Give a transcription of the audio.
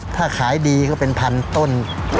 ถ้าขายดีก็เป็นพันต้น